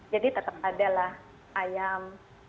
jadi tetap ada lah ayam